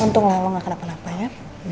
untunglah lo gak kenapa napa ya